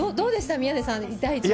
宮根さん、第１話。